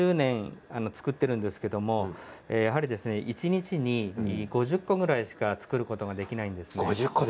３０年作っているんですけれどやはり、一日に５０個ぐらいしか作ることができないんですね。